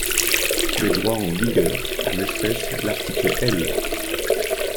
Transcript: Le droit en vigueur, en l’espèce l’article L.